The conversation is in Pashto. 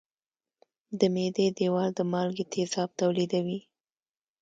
د معدې دېوال د مالګي تیزاب تولیدوي.